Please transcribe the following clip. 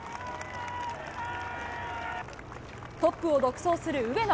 トップを独走する上野。